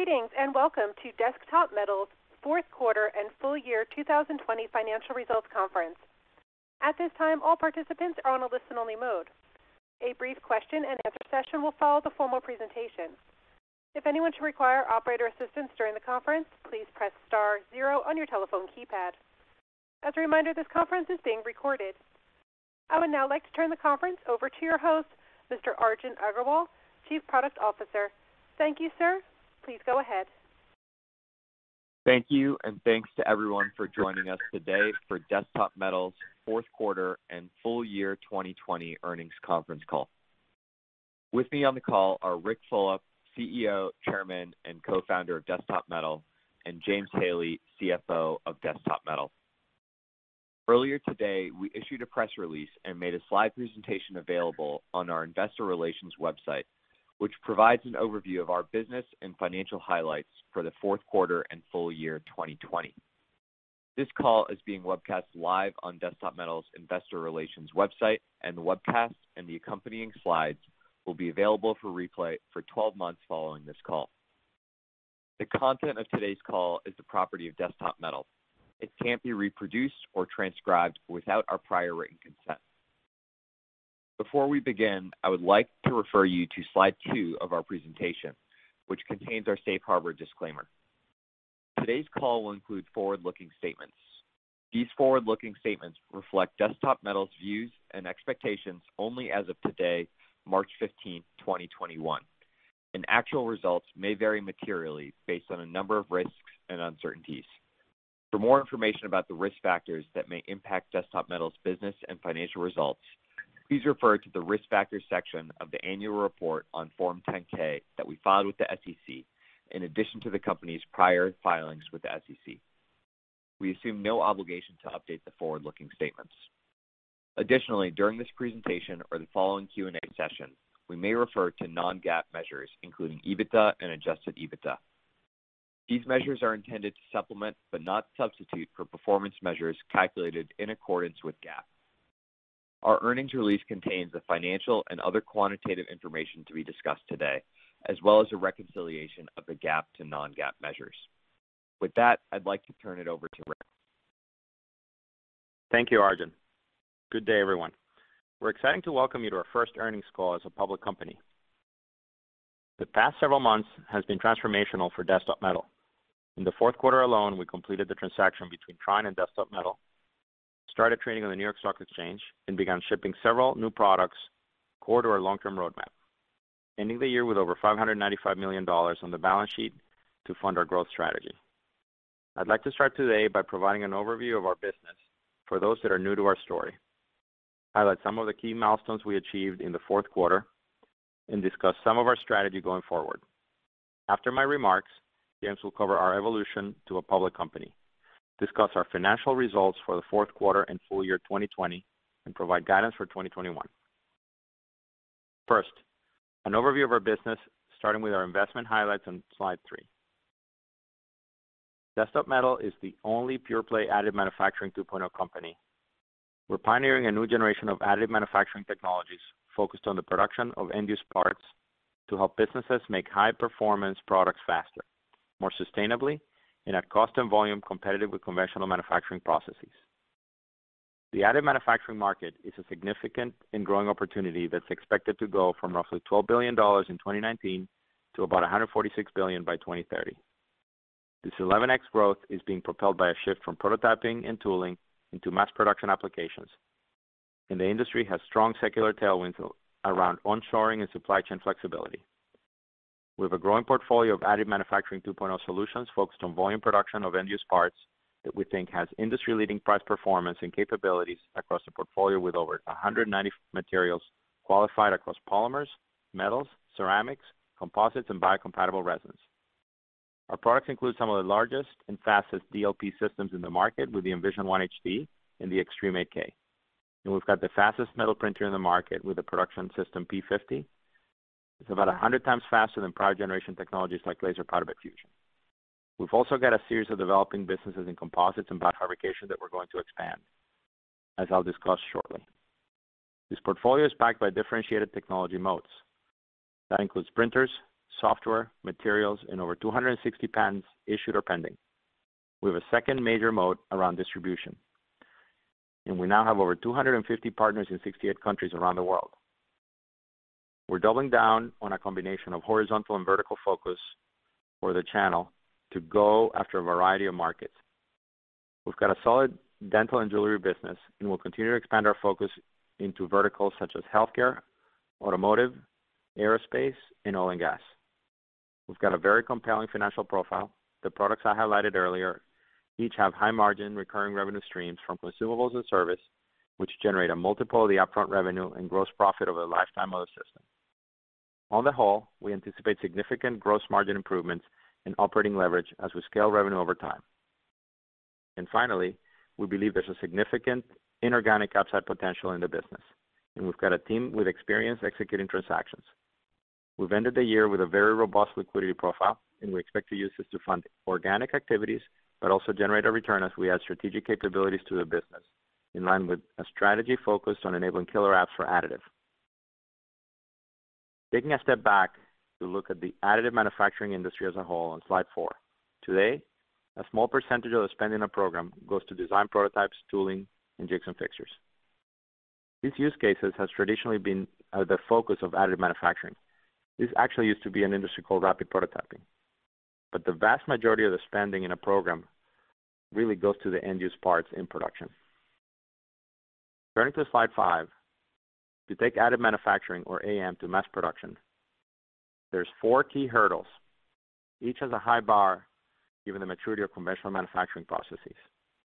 Greetings, and welcome to Desktop Metal's Fourth Quarter and Full Year 2020 Financial Results Conference. At this time, all participants are on a listen only mode. A brief question and answer session will follow the formal presentation. If anyone should require operator assistance during the conference, please press star zero on your telephone keypad. As a reminder, this conference is being recorded. I would now like to turn the conference over to your host, Mr. Arjun Aggarwal, Chief Product Officer. Thank you, Sir. Please go ahead. Thank you, and thanks to everyone for joining us today for Desktop Metal's fourth quarter and full year 2020 earnings conference call. With me on the call are Ric Fulop, CEO, Chairman, and Co-founder of Desktop Metal, and James Haley, CFO of Desktop Metal. Earlier today, we issued a press release and made a slide presentation available on our investor relations website, which provides an overview of our business and financial highlights for the fourth quarter and full year 2020. This call is being webcast live on Desktop Metal's investor relations website, and the webcast and the accompanying slides will be available for replay for 12 months following this call. The content of today's call is the property of Desktop Metal. It can't be reproduced or transcribed without our prior written consent. Before we begin, I would like to refer you to slide two of our presentation, which contains our safe harbor disclaimer. Today's call will include forward-looking statements. These forward-looking statements reflect Desktop Metal's views and expectations only as of today, March 15th, 2021, and actual results may vary materially based on a number of risks and uncertainties. For more information about the risk factors that may impact Desktop Metal's business and financial results, please refer to the Risk Factors section of the annual report on Form 10-K that we filed with the SEC, in addition to the company's prior filings with the SEC. We assume no obligation to update the forward-looking statements. Additionally, during this presentation or the following Q&A session, we may refer to non-GAAP measures, including EBITDA and adjusted EBITDA. These measures are intended to supplement, but not substitute, for performance measures calculated in accordance with GAAP. Our earnings release contains the financial and other quantitative information to be discussed today, as well as a reconciliation of the GAAP to non-GAAP measures. With that, I'd like to turn it over to Ric. Thank you, Arjun. Good day, everyone. We're excited to welcome you to our first earnings call as a public company. The past several months has been transformational for Desktop Metal. In the fourth quarter alone, we completed the transaction between Trine and Desktop Metal, started trading on the New York Stock Exchange, and began shipping several new products core to our long-term roadmap, ending the year with over $595 million on the balance sheet to fund our growth strategy. I'd like to start today by providing an overview of our business for those that are new to our story, highlight some of the key milestones we achieved in the fourth quarter, and discuss some of our strategy going forward. After my remarks, James will cover our evolution to a public company, discuss our financial results for the fourth quarter and full year 2020, and provide guidance for 2021. First, an overview of our business, starting with our investment highlights on slide three. Desktop Metal is the only pure-play additive manufacturing 2.0 company. We're pioneering a new generation of additive manufacturing technologies focused on the production of end-use parts to help businesses make high-performance products faster, more sustainably, and at cost and volume competitive with conventional manufacturing processes. The additive manufacturing market is a significant and growing opportunity that's expected to go from roughly $12 billion in 2019 to about $146 billion by 2030. This 11x growth is being propelled by a shift from prototyping and tooling into mass production applications, and the industry has strong secular tailwinds around onshoring and supply chain flexibility. We have a growing portfolio of additive manufacturing 2.0 solutions focused on volume production of end-use parts that we think has industry-leading price performance and capabilities across the portfolio, with over 190 materials qualified across polymers, metals, ceramics, composites, and biocompatible resins. Our products include some of the largest and fastest DLP systems in the market with the Envision One HT and the Xtreme 8K. We've got the fastest metal printer in the market with the Production System P-50. It's about 100x faster than prior generation technologies like laser powder bed fusion. We've also got a series of developing businesses in composites and biofabrication that we're going to expand, as I'll discuss shortly. This portfolio is backed by differentiated technology moats. That includes printers, software, materials, and over 260 patents issued or pending. We have a second major moat around distribution, and we now have over 250 partners in 68 countries around the world. We're doubling down on a combination of horizontal and vertical focus for the channel to go after a variety of markets. We've got a solid dental and jewelry business, and we'll continue to expand our focus into verticals such as healthcare, automotive, aerospace, and oil and gas. We've got a very compelling financial profile. The products I highlighted earlier each have high margin recurring revenue streams from consumables and service, which generate a multiple of the upfront revenue and gross profit over the lifetime of the system. On the whole, we anticipate significant gross margin improvements and operating leverage as we scale revenue over time. Finally, we believe there's a significant inorganic upside potential in the business, and we've got a team with experience executing transactions. We've ended the year with a very robust liquidity profile, and we expect to use this to fund organic activities, but also generate a return as we add strategic capabilities to the business. In line with a strategy focused on enabling killer apps for additive. Taking a step back to look at the additive manufacturing industry as a whole on slide four. Today, a small percentage of the spend in a program goes to design prototypes, tooling, and jigs and fixtures. These use cases has traditionally been the focus of additive manufacturing. This actually used to be an industry called rapid prototyping. The vast majority of the spending in a program really goes to the end-use parts in production. Turning to slide five, to take additive manufacturing, or AM, to mass production, there's four key hurdles. Each has a high bar, given the maturity of conventional manufacturing processes.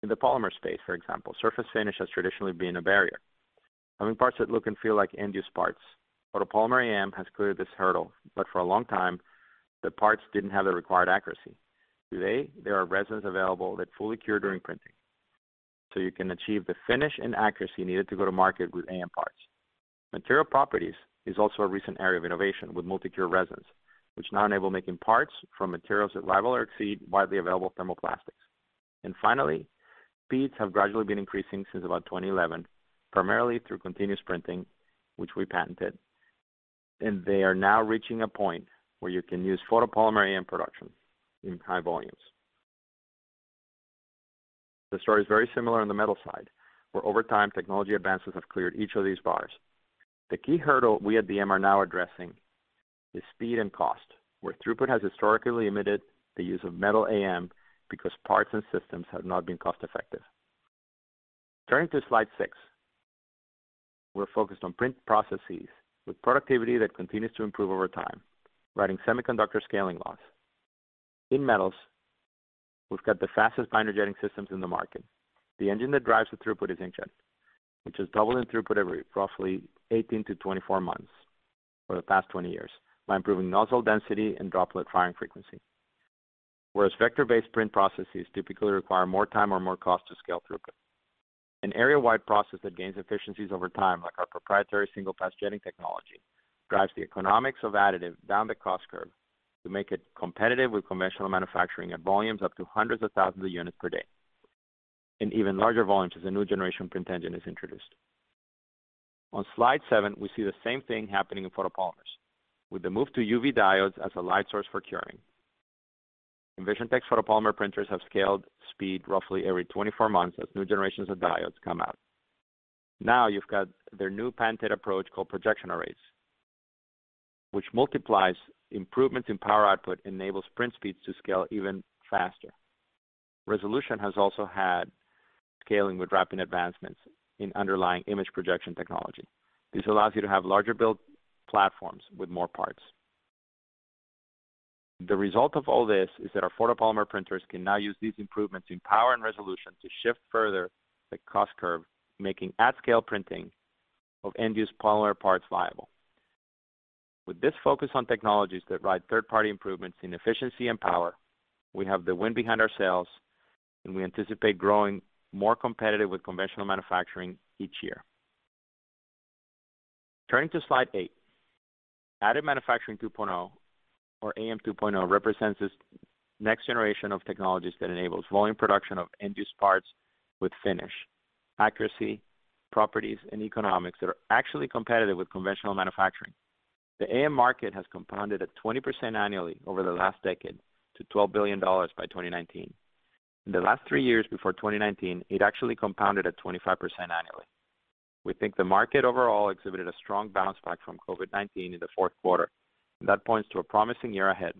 In the polymer space, for example, surface finish has traditionally been a barrier, having parts that look and feel like end-use parts. Photopolymer AM has cleared this hurdle, but for a long time, the parts didn't have the required accuracy. Today, there are resins available that fully cure during printing, you can achieve the finish and accuracy needed to go to market with AM parts. Material properties is also a recent area of innovation with multi-cure resins, which now enable making parts from materials that rival or exceed widely available thermoplastics. Finally, speeds have gradually been increasing since about 2011, primarily through continuous printing, which we patented. They are now reaching a point where you can use photopolymer AM production in high volumes. The story is very similar on the metal side, where over time, technology advances have cleared each of these bars. The key hurdle we at DM are now addressing is speed and cost, where throughput has historically limited the use of metal AM because parts and systems have not been cost-effective. Turning to slide six, we're focused on print processes with productivity that continues to improve over time, riding semiconductor scaling laws. In metals, we've got the fastest binder jetting systems in the market. The engine that drives the throughput is inkjet, which has doubled in throughput every roughly 18-24 months for the past 20 years by improving nozzle density and droplet firing frequency. Whereas vector-based print processes typically require more time or more cost to scale throughput. An area-wide process that gains efficiencies over time, like our proprietary Single Pass Jetting technology, drives the economics of additive down the cost curve to make it competitive with conventional manufacturing at volumes up to hundreds of thousands of units per day, and even larger volumes as a new generation print engine is introduced. On slide seven, we see the same thing happening in photopolymers, with the move to UV diodes as a light source for curing. EnvisionTEC photopolymer printers have scaled speed roughly every 24 months as new generations of diodes come out. You've got their new patented approach called projection arrays, which multiplies improvements in power output, enables print speeds to scale even faster. Resolution has also had scaling with rapid advancements in underlying image projection technology. This allows you to have larger build platforms with more parts. The result of all this is that our photopolymer printers can now use these improvements in power and resolution to shift further the cost curve, making at-scale printing of end-use polymer parts viable. With this focus on technologies that ride third-party improvements in efficiency and power, we have the wind behind our sails, and we anticipate growing more competitive with conventional manufacturing each year. Turning to slide eight, Additive Manufacturing 2.0, or AM 2.0, represents this next generation of technologies that enables volume production of end-use parts with finish, accuracy, properties, and economics that are actually competitive with conventional manufacturing. The AM market has compounded at 20% annually over the last decade to $12 billion by 2019. In the last three years before 2019, it actually compounded at 25% annually. We think the market overall exhibited a strong bounce back from COVID-19 in the fourth quarter, and that points to a promising year ahead.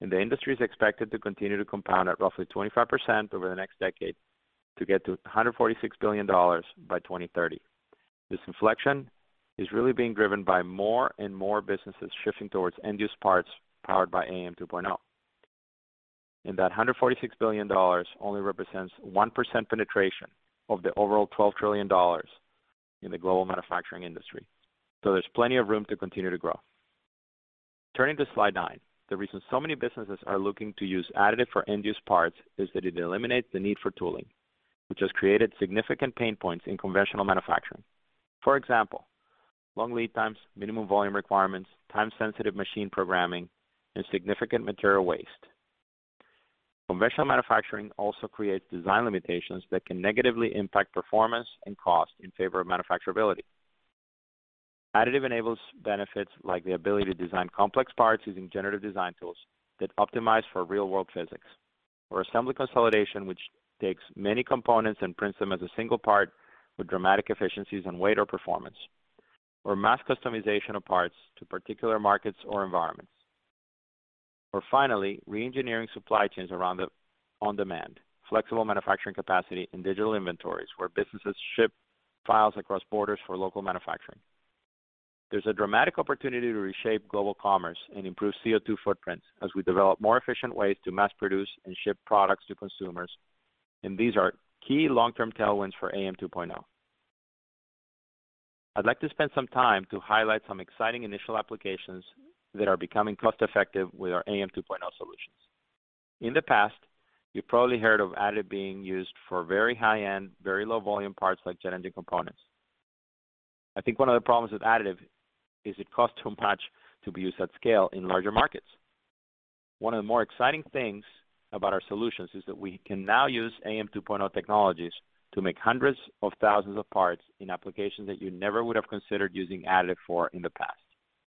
The industry is expected to continue to compound at roughly 25% over the next decade to get to $146 billion by 2030. This inflection is really being driven by more and more businesses shifting towards end-use parts powered by AM 2.0. That $146 billion only represents 1% penetration of the overall $12 trillion in the global manufacturing industry. There's plenty of room to continue to grow. Turning to slide nine, the reason so many businesses are looking to use additive for end-use parts is that it eliminates the need for tooling, which has created significant pain points in conventional manufacturing. For example, long lead times, minimum volume requirements, time-sensitive machine programming, and significant material waste. Conventional manufacturing also creates design limitations that can negatively impact performance and cost in favor of manufacturability. Additive enables benefits like the ability to design complex parts using generative design tools that optimize for real-world physics. Assembly consolidation, which takes many components and prints them as a single part with dramatic efficiencies in weight or performance. Mass customization of parts to particular markets or environments. Finally, re-engineering supply chains around the on-demand, flexible manufacturing capacity and digital inventories where businesses ship files across borders for local manufacturing. There's a dramatic opportunity to reshape global commerce and improve CO2 footprints as we develop more efficient ways to mass produce and ship products to consumers. These are key long-term tailwinds for AM 2.0. I'd like to spend some time to highlight some exciting initial applications that are becoming cost-effective with our AM 2.0 solutions. In the past, you've probably heard of additive being used for very high-end, very low-volume parts like jet engine components. I think one of the problems with additive is it costs too much to be used at scale in larger markets. One of the more exciting things about our solutions is that we can now use AM 2.0 technologies to make hundreds of thousands of parts in applications that you never would have considered using additive for in the past.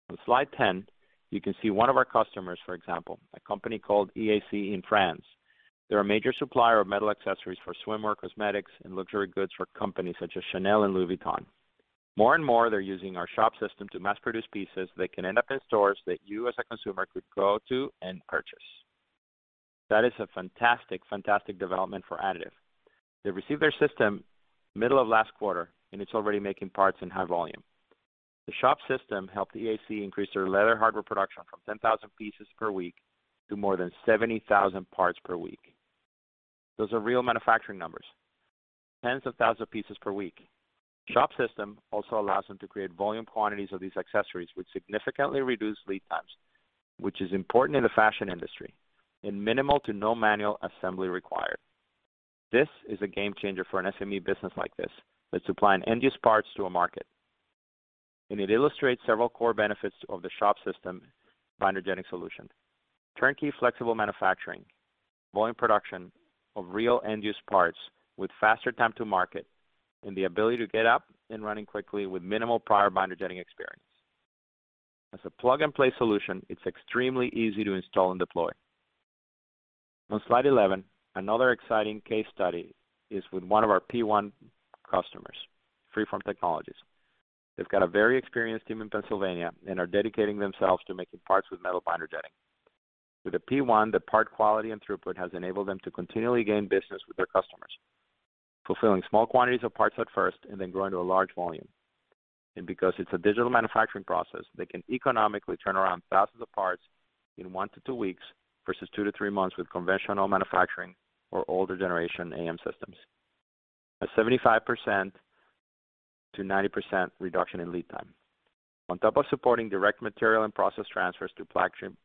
On slide 10, you can see one of our customers, for example, a company called EAC in France. They're a major supplier of metal accessories for swimwear, cosmetics, and luxury goods for companies such as Chanel and Louis Vuitton. More and more, they're using our Shop System to mass produce pieces that can end up in stores that you, as a consumer, could go to and purchase. That is a fantastic development for additive. They received their system middle of last quarter, and it's already making parts in high volume. The Shop System helped EAC increase their leather hardware production from 10,000 pieces per week to more than 70,000 parts per week. Those are real manufacturing numbers, 10s of thousand pieces per week. Shop System also allows them to create volume quantities of these accessories with significantly reduced lead times, which is important in the fashion industry, and minimal to no manual assembly required. This is a game changer for an SME business like this, that's supplying end-use parts to a market. It illustrates several core benefits of the Shop System binder jetting solution. Turnkey flexible manufacturing, volume production of real end-use parts with faster time to market, and the ability to get up and running quickly with minimal prior binder jetting experience. As a plug-and-play solution, it's extremely easy to install and deploy. On slide 11, another exciting case study is with one of our P-1 customers, FreeFORM Technologies. They've got a very experienced team in Pennsylvania and are dedicating themselves to making parts with metal binder jetting. With the P-1, the part quality and throughput has enabled them to continually gain business with their customers, fulfilling small quantities of parts at first, and then growing to a large volume. Because it's a digital manufacturing process, they can economically turn around thousands of parts in one to two weeks, versus two to three months with conventional manufacturing or older generation AM systems. A 75%-90% reduction in lead time. On top of supporting direct material and process transfers to production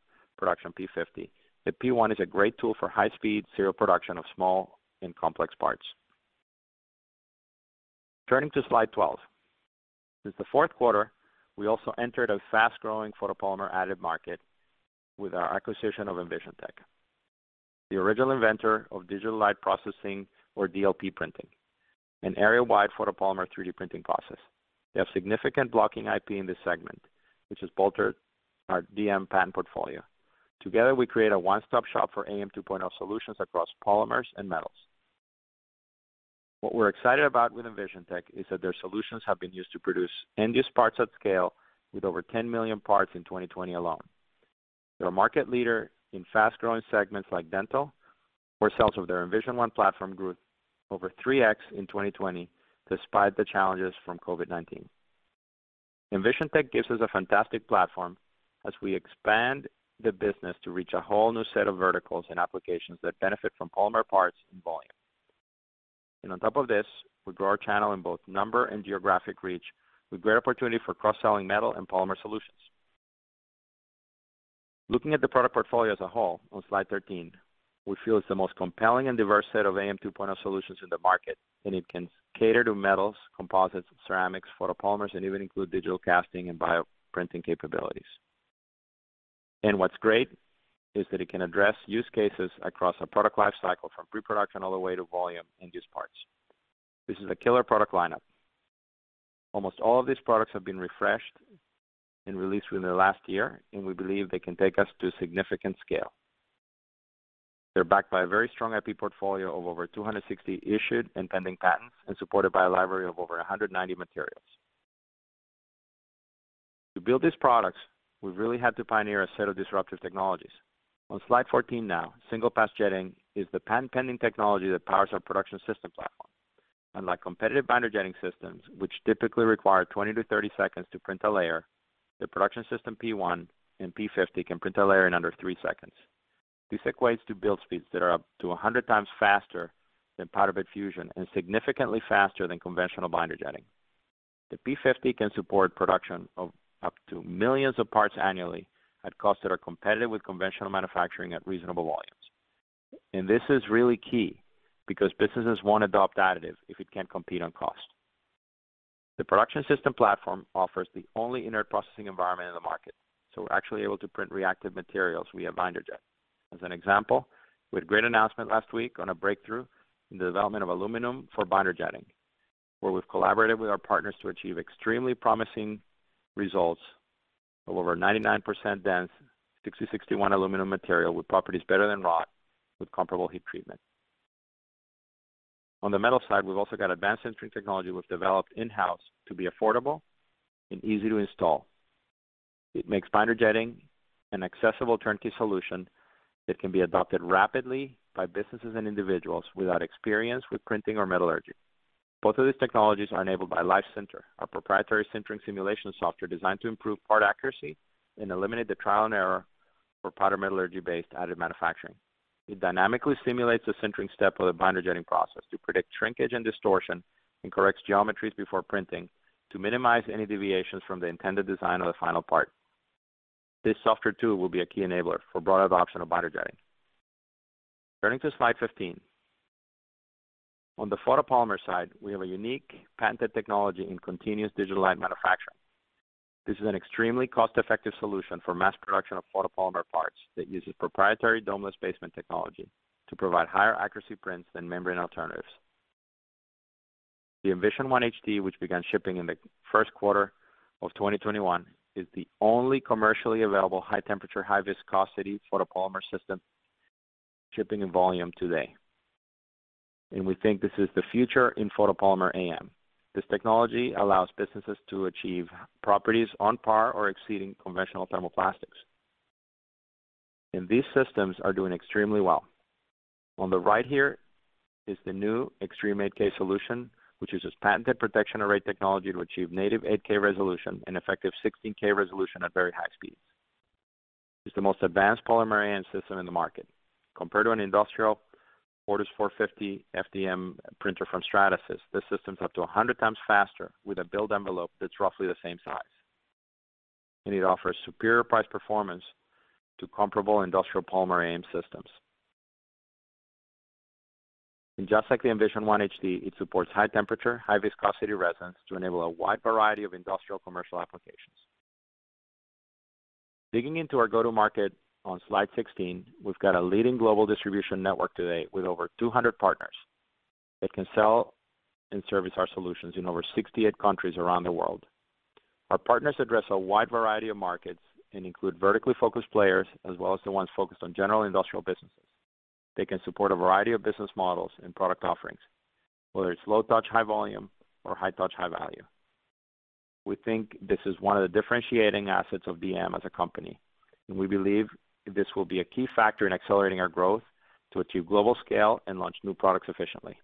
P-50, the P-1 is a great tool for high-speed serial production of small and complex parts. Turning to slide 12. Since the fourth quarter, we also entered a fast-growing photopolymer additive market with our acquisition of EnvisionTEC, the original inventor of digital light processing, or DLP printing, an area-wide photopolymer 3D printing process. They have significant blocking IP in this segment, which has bolstered our DM patent portfolio. Together, we create a one-stop shop for AM 2.0 solutions across polymers and metals. What we're excited about with EnvisionTEC is that their solutions have been used to produce end-use parts at scale, with over 10 million parts in 2020 alone. They're a market leader in fast-growing segments like dental, where sales of their Envision One platform grew over 3x in 2020, despite the challenges from COVID-19. EnvisionTEC gives us a fantastic platform as we expand the business to reach a whole new set of verticals and applications that benefit from polymer parts and volume. On top of this, we grow our channel in both number and geographic reach, with great opportunity for cross-selling metal and polymer solutions. Looking at the product portfolio as a whole, on slide 13, we feel it's the most compelling and diverse set of AM 2.0 solutions in the market, and it can cater to metals, composites, ceramics, photopolymers, and even include digital casting and bioprinting capabilities. What's great is that it can address use cases across a product life cycle from pre-production all the way to volume end-use parts. This is a killer product lineup. Almost all of these products have been refreshed and released within the last year, and we believe they can take us to significant scale. They're backed by a very strong IP portfolio of over 260 issued and pending patents and supported by a library of over 190 materials. To build these products, we've really had to pioneer a set of disruptive technologies. On slide 14 now, Single Pass Jetting is the patent-pending technology that powers our Production System platform. Unlike competitive binder jetting systems, which typically require 20-30 seconds to print a layer, the Production System P-1 and P-50 can print a layer in under three seconds. This equates to build speeds that are up to 100x faster than powder bed fusion and significantly faster than conventional binder jetting. The P-50 can support production of up to millions of parts annually at costs that are competitive with conventional manufacturing at reasonable volumes. This is really key, because businesses won't adopt additive if it can't compete on cost. The Production System platform offers the only inert processing environment in the market, so we're actually able to print reactive materials via binder jet. As an example, we had a great announcement last week on a breakthrough in the development of aluminum for binder jetting, where we've collaborated with our partners to achieve extremely promising results of over 99% dense 6061 aluminum material with properties better than wrought with comparable heat treatment. On the metal side, we've also got advanced sintering technology we've developed in-house to be affordable and easy to install. It makes binder jetting an accessible turnkey solution that can be adopted rapidly by businesses and individuals without experience with printing or metallurgy. Both of these technologies are enabled by Live Sinter, our proprietary sintering simulation software designed to improve part accuracy and eliminate the trial and error for powder metallurgy-based additive manufacturing. It dynamically simulates the sintering step of the binder jetting process to predict shrinkage and distortion, and corrects geometries before printing to minimize any deviations from the intended design of the final part. This software, too will be a key enabler for broader adoption of binder jetting. Turning to slide 15. On the photopolymer side, we have a unique patented technology in continuous digital light manufacturing. This is an extremely cost-effective solution for mass production of photopolymer parts that uses proprietary domeless basin technology to provide higher accuracy prints than membrane alternatives. The Envision One HD, which began shipping in the first quarter of 2021, is the only commercially available high temperature, high viscosity photopolymer system shipping in volume today. We think this is the future in photopolymer AM. This technology allows businesses to achieve properties on par or exceeding conventional thermoplastics. These systems are doing extremely well. On the right here is the new Xtreme 8K solution, which uses patented projection array technology to achieve native 8K resolution and effective 16K resolution at very high speeds. It's the most advanced polymer AM system in the market. Compared to an industrial Fortus 450mc FDM printer from Stratasys, this system's up to 100x faster with a build envelope that's roughly the same size. It offers superior price performance to comparable industrial polymer AM systems. Just like the Envision One HD, it supports high temperature, high viscosity resins to enable a wide variety of industrial commercial applications. Digging into our go-to-market on slide 16, we've got a leading global distribution network today with over 200 partners that can sell and service our solutions in over 68 countries around the world. Our partners address a wide variety of markets and include vertically focused players as well as the ones focused on general industrial businesses. They can support a variety of business models and product offerings, whether it's low touch, high volume, or high touch, high value. We think this is one of the differentiating assets of DM as a company, and we believe this will be a key factor in accelerating our growth to achieve global scale and launch new products efficiently.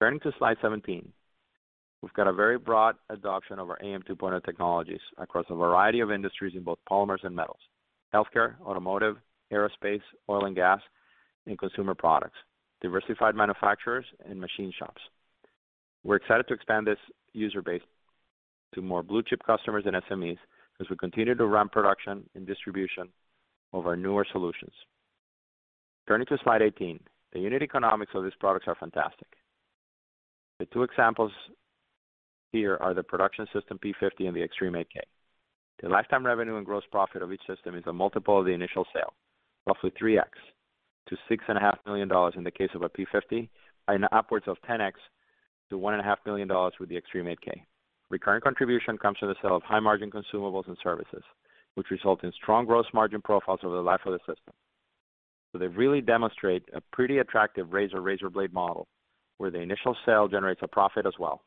Turning to slide 17, we've got a very broad adoption of our AM 2.0 technologies across a variety of industries in both polymers and metals, healthcare, automotive, aerospace, oil and gas, and consumer products, diversified manufacturers and machine shops. We're excited to expand this user base to more blue-chip customers and SMEs as we continue to ramp production and distribution of our newer solutions. Turning to slide 18, the unit economics of these products are fantastic. The two examples here are the Production System P-50 and the Xtreme 8K. The lifetime revenue and gross profit of each system is a multiple of the initial sale, roughly 3x to $6.5 million in the case of a P-50, and upwards of 10x to $1.5 million with the Xtreme 8K. Recurrent contribution comes from the sale of high-margin consumables and services, which result in strong gross margin profiles over the life of the system. They really demonstrate a pretty attractive razor, razorblade model, where the initial sale generates a profit as well.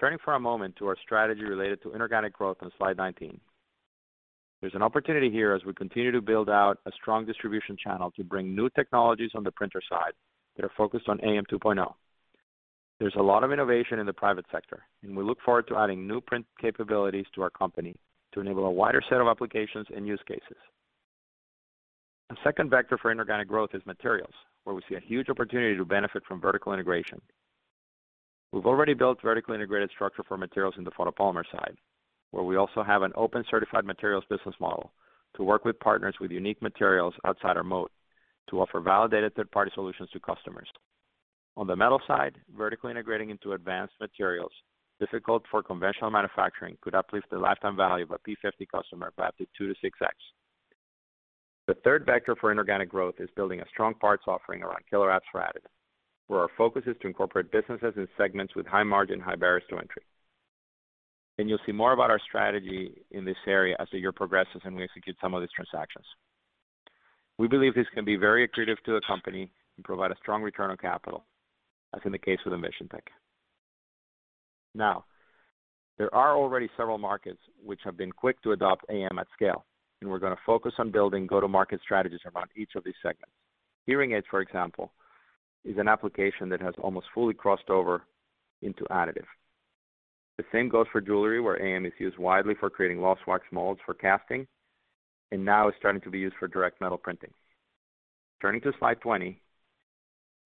Turning for a moment to our strategy related to inorganic growth on slide 19. There's an opportunity here as we continue to build out a strong distribution channel to bring new technologies on the printer side that are focused on AM 2.0. There's a lot of innovation in the private sector, and we look forward to adding new print capabilities to our company to enable a wider set of applications and use cases. Our second vector for inorganic growth is materials, where we see a huge opportunity to benefit from vertical integration. We've already built vertically integrated structure for materials in the photopolymer side, where we also have an open certified materials business model to work with partners with unique materials outside our moat to offer validated third-party solutions to customers. On the metal side, vertically integrating into advanced materials difficult for conventional manufacturing could uplift the lifetime value of a P-50 customer by up to 2x-6x. The third vector for inorganic growth is building a strong parts offering around killer apps for additive, where our focus is to incorporate businesses and segments with high margin, high barriers to entry. You'll see more about our strategy in this area as the year progresses and we execute some of these transactions. We believe this can be very accretive to the company and provide a strong return on capital, as in the case of EnvisionTEC. Now, there are already several markets which have been quick to adopt AM at scale, and we're going to focus on building go-to-market strategies around each of these segments. Hearing aids, for example, is an application that has almost fully crossed over into additive. The same goes for jewelry, where AM is used widely for creating lost wax molds for casting, and now is starting to be used for direct metal printing. Turning to slide 20.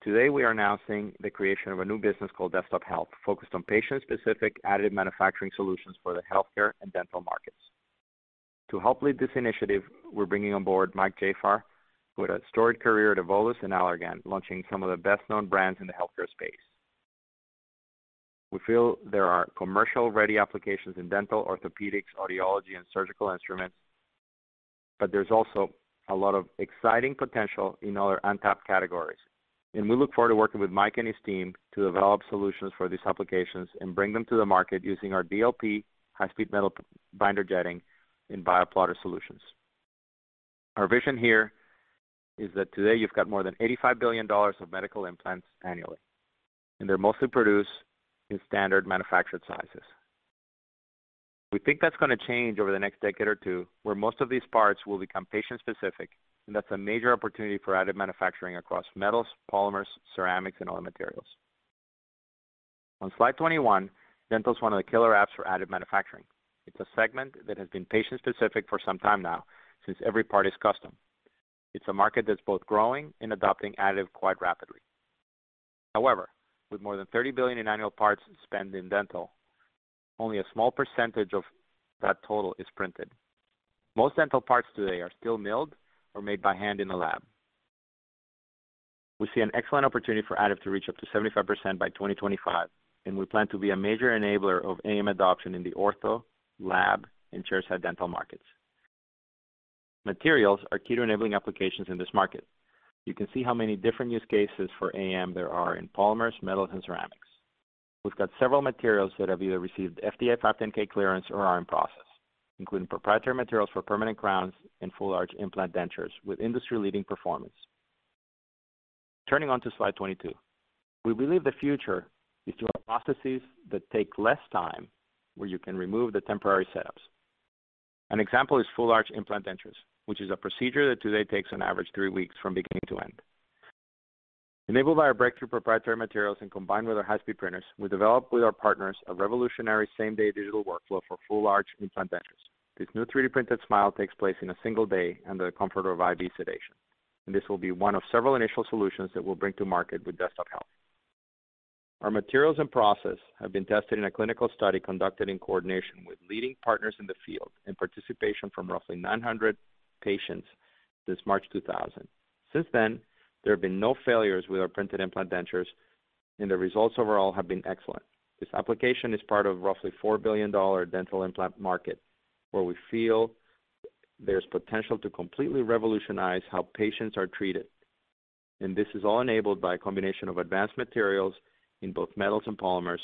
Today, we are announcing the creation of a new business called Desktop Health, focused on patient-specific additive manufacturing solutions for the healthcare and dental markets. To help lead this initiative, we're bringing on board Mike Jafar, with a storied career at Evolus and Allergan, launching some of the best-known brands in the healthcare space. We feel there are commercial-ready applications in dental, orthopedics, audiology, and surgical instruments, but there's also a lot of exciting potential in other untapped categories. We look forward to working with Mike and his team to develop solutions for these applications and bring them to the market using our DLP high-speed metal binder jetting in BioPlotter solutions. Our vision here is that today you've got more than $85 billion of medical implants annually, and they're mostly produced in standard manufactured sizes. We think that's going to change over the next decade or two, where most of these parts will become patient specific, and that's a major opportunity for additive manufacturing across metals, polymers, ceramics, and other materials. On slide 21, dental is one of the killer apps for additive manufacturing. It's a segment that has been patient specific for some time now, since every part is custom. It's a market that's both growing and adopting additive quite rapidly. However, with more than $30 billion in annual parts spent in dental, only a small percentage of that total is printed. Most dental parts today are still milled or made by hand in a lab. We see an excellent opportunity for additive to reach up to 75% by 2025, and we plan to be a major enabler of AM adoption in the ortho, lab, and chairside dental markets. Materials are key to enabling applications in this market. You can see how many different use cases for AM there are in polymers, metals, and ceramics. We've got several materials that have either received FDA 510(k) or are in process, including proprietary materials for permanent crowns and full arch implant dentures with industry-leading performance. Turning onto slide 22. We believe the future is through prostheses that take less time, where you can remove the temporary setups. An example is full arch implant dentures, which is a procedure that today takes on average three weeks from beginning to end. Enabled by our breakthrough proprietary materials and combined with our high-speed printers, we developed with our partners a revolutionary same-day digital workflow for full arch implant dentures. This new 3D printed smile takes place in a single day under the comfort of IV sedation. This will be one of several initial solutions that we'll bring to market with Desktop Health. Our materials and process have been tested in a clinical study conducted in coordination with leading partners in the field, and participation from roughly 900 patients since March 2000. Since then, there have been no failures with our printed implant dentures, and the results overall have been excellent. This application is part of roughly $4 billion dental implant market, where we feel there's potential to completely revolutionize how patients are treated, and this is all enabled by a combination of advanced materials in both metals and polymers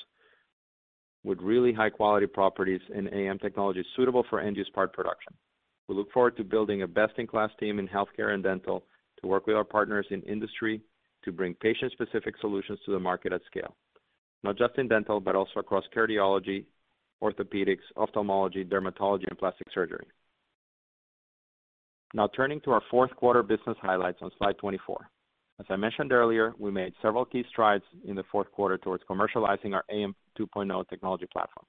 with really high-quality properties and AM technology suitable for end-use part production. We look forward to building a best-in-class team in healthcare and dental to work with our partners in industry to bring patient-specific solutions to the market at scale. Not just in dental, but also across cardiology, orthopedics, ophthalmology, dermatology, and plastic surgery. Turning to our fourth quarter business highlights on slide 24. As I mentioned earlier, we made several key strides in the fourth quarter towards commercializing our AM 2.0 technology platform.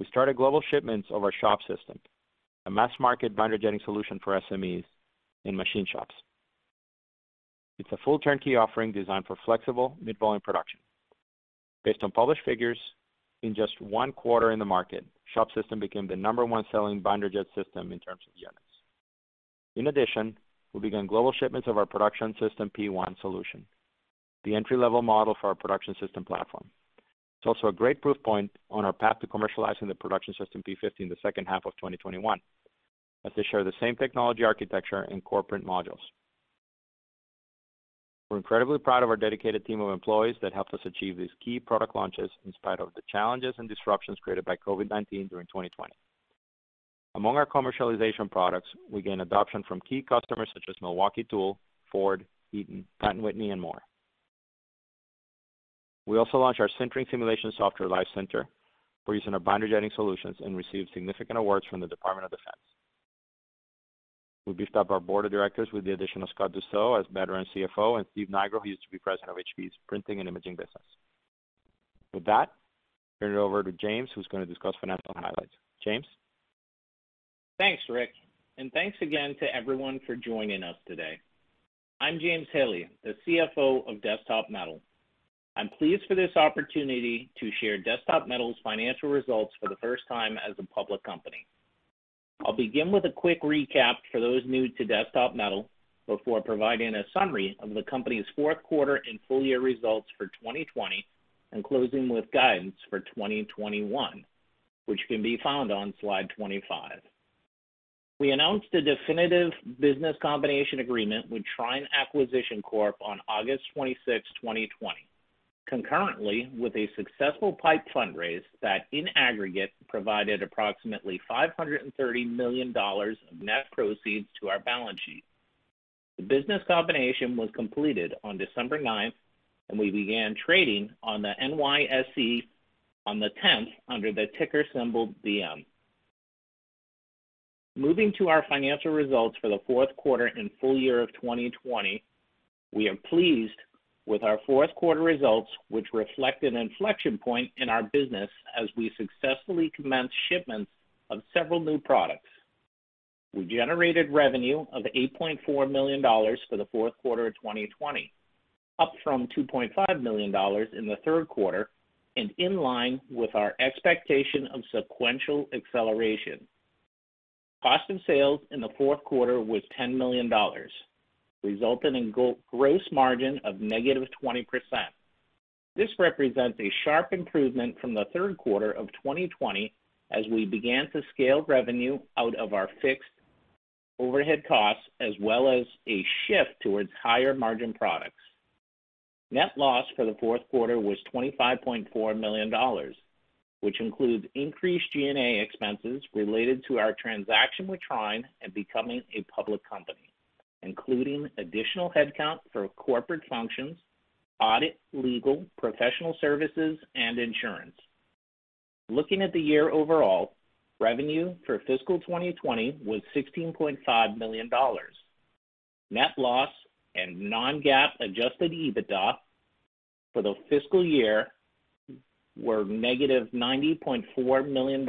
We started global shipments of our Shop System, a mass market binder jetting solution for SMEs in machine shops. It's a full turnkey offering designed for flexible mid-volume production. Based on published figures, in just one quarter in the market, Shop System became the number one selling binder jet system in terms of units. In addition, we began global shipments of our Production System P-1 Solution, the entry-level model for our Production System platform. It's also a great proof point on our path to commercializing the Production System P-50 the second half of 2021, as they share the same technology architecture and core print modules. We're incredibly proud of our dedicated team of employees that helped us achieve these key product launches in spite of the challenges and disruptions created by COVID-19 during 2020. Among our commercialization products, we gained adoption from key customers such as Milwaukee Tool, Ford, Eaton, Pratt & Whitney, and more. We also launched our Sintering Simulation Software, Live Sinter, for use in our binder jetting solutions and received significant awards from the Department of Defense. We beefed up our Board of Directors with the addition of Scott Dussault as veteran CFO and Stephen Nigro, who used to be President of HP's Printing and Imaging business. With that, turn it over to James, who's going to discuss financial highlights. James? Thanks, Ric, and thanks again to everyone for joining us today. I'm James Haley, the CFO of Desktop Metal. I'm pleased for this opportunity to share Desktop Metal's financial results for the first time as a public company. I'll begin with a quick recap for those new to Desktop Metal before providing a summary of the company's fourth quarter and full year results for 2020, and closing with guidance for 2021, which can be found on slide 25. We announced a definitive business combination agreement with Trine Acquisition Corp on August 26, 2020, concurrently with a successful pipe fund raise that, in aggregate, provided approximately $530 million of net proceeds to our balance sheet. The business combination was completed on December 9th, and we began trading on the NYSE on the 10th under the ticker symbol DM. Moving to our financial results for the fourth quarter and full year of 2020, we are pleased with our fourth quarter results, which reflect an inflection point in our business as we successfully commenced shipments of several new products. We generated revenue of $8.4 million for the fourth quarter of 2020, up from $2.5 million in the third quarter and in line with our expectation of sequential acceleration. Cost of sales in the fourth quarter was $10 million, resulting in gross margin of negative 20%. This represents a sharp improvement from the third quarter of 2020 as we began to scale revenue out of our fixed overhead costs, as well as a shift towards higher margin products. Net loss for the fourth quarter was $25.4 million, which includes increased G&A expenses related to our transaction with Trine and becoming a public company, including additional headcount for corporate functions, audit, legal, professional services, and insurance. Looking at the year overall, revenue for fiscal 2020 was $16.5 million. Net loss and non-GAAP adjusted EBITDA for the fiscal year were negative $90.4 million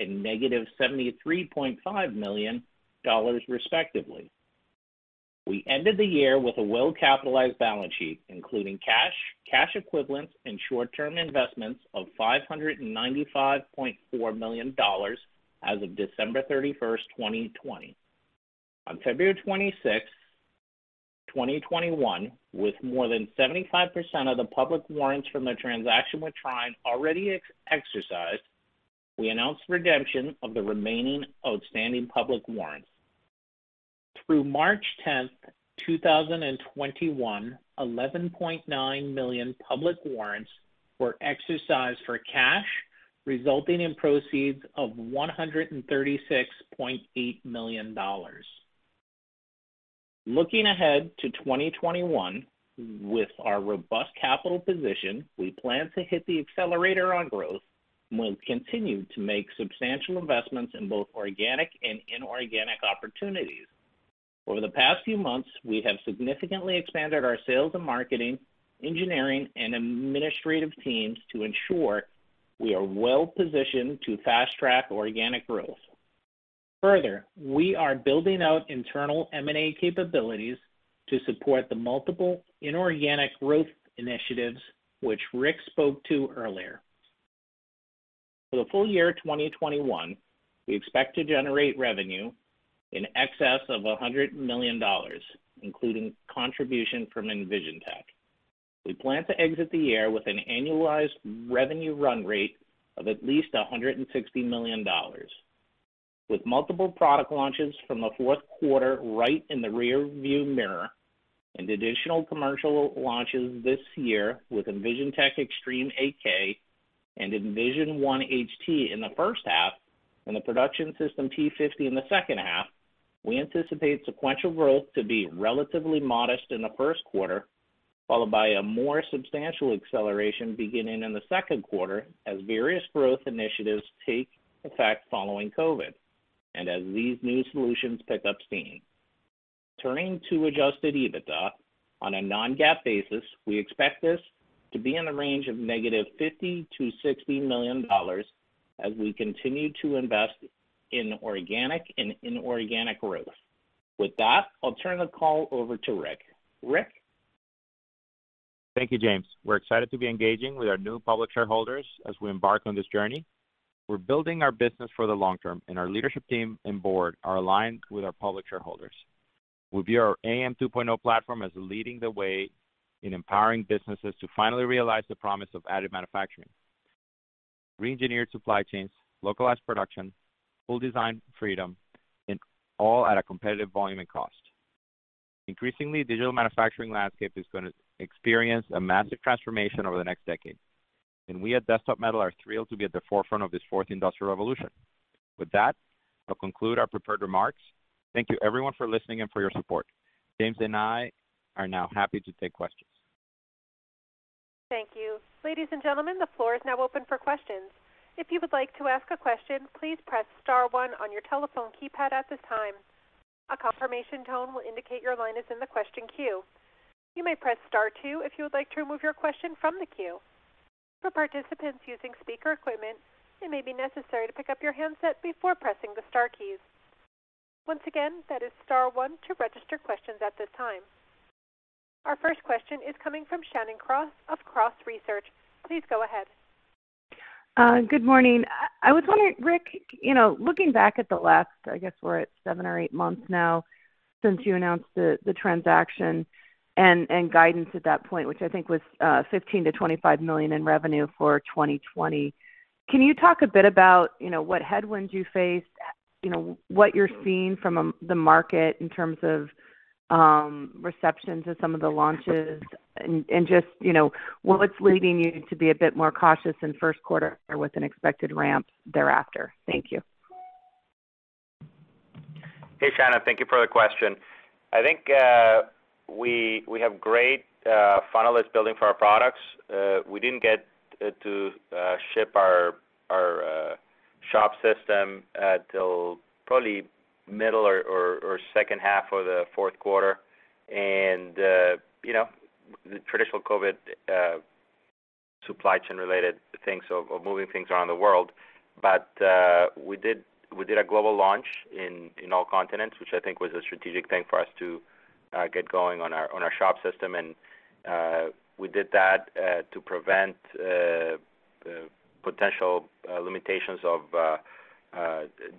and negative $73.5 million respectively. We ended the year with a well-capitalized balance sheet, including cash equivalents, and short-term investments of $595.4 million as of December 31st, 2020. On February 26, 2021, with more than 75% of the public warrants from the transaction with Trine already exercised, we announced redemption of the remaining outstanding public warrants. Through March 10th, 2021, 11.9 million public warrants were exercised for cash, resulting in proceeds of $136.8 million. Looking ahead to 2021, with our robust capital position, we plan to hit the accelerator on growth and will continue to make substantial investments in both organic and inorganic opportunities. Over the past few months, we have significantly expanded our sales and marketing, engineering, and administrative teams to ensure we are well-positioned to fast-track organic growth. Further, we are building out internal M&A capabilities to support the multiple inorganic growth initiatives which Ric spoke to earlier. For the full year 2021, we expect to generate revenue in excess of $100 million, including contribution from EnvisionTEC. We plan to exit the year with an annualized revenue run rate of at least $160 million. With multiple product launches from the fourth quarter right in the rearview mirror and additional commercial launches this year with EnvisionTEC Xtreme 8K and Envision One HT in the first half and the Production System P-50 in the second half, we anticipate sequential growth to be relatively modest in the first quarter, followed by a more substantial acceleration beginning in the second quarter as various growth initiatives take effect following COVID and as these new solutions pick up steam. Turning to adjusted EBITDA on a non-GAAP basis, we expect this to be in the range of -$50 million to -$60 million as we continue to invest in organic and inorganic growth. With that, I'll turn the call over to Ric. Ric? Thank you, James. We're excited to be engaging with our new public shareholders as we embark on this journey. We're building our business for the long term, and our leadership team and board are aligned with our public shareholders. We view our AM 2.0 platform as leading the way in empowering businesses to finally realize the promise of additive manufacturing. Re-engineered supply chains, localized production, full design freedom, and all at a competitive volume and cost. Increasingly, digital manufacturing landscape is going to experience a massive transformation over the next decade, and we at Desktop Metal are thrilled to be at the forefront of this fourth industrial revolution. With that, I'll conclude our prepared remarks. Thank you everyone for listening and for your support. James and I are now happy to take questions. Thank you. Ladies and gentlemen, the floor is now open for questions. If you would like to ask a question, please press star one on your telephone keypad at this time. A confirmation tone will indicate your line is in the question queue. You may press star two if you would like to remove your question from the queue. For participants using speaker equipment, it may be necessary to pick up your handset before pressing the star key. Once again, that is star one to register questions at this time. Our first question is coming from Shannon Cross of Cross Research. Please go ahead. Good morning. I was wondering, Ric, looking back at the last, I guess we're at seven or eight months now since you announced the transaction and guidance at that point, which I think was $15 million-$25 million in revenue for 2020. Can you talk a bit about what headwinds you faced, what you're seeing from the market in terms of reception to some of the launches and just what's leading you to be a bit more cautious in first quarter with an expected ramp thereafter? Thank you. Hey, Shannon. Thank you for the question. I think we have great funnel that's building for our products. We didn't get to ship our Shop System until probably middle or second half of the fourth quarter, and the traditional COVID supply chain related things of moving things around the world. We did a global launch in all continents, which I think was a strategic thing for us to get going on our Shop System, and we did that to prevent potential limitations of